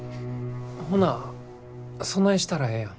ほなそないしたらええやん。